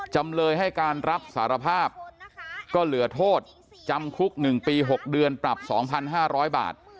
จำเลยให้การรับสารภาพก็เหลือโทษจำคุกหนึ่งปีหกเดือนปรับสองพันห้าร้อยบาท